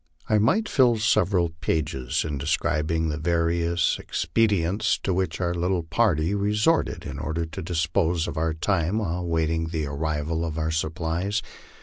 I might fill several pages in describing the various expedients to which our little party resorted in order to dispose of our time while waiting the ar rival of our supplies.